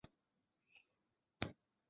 这将使得始祖鸟不属于鸟类。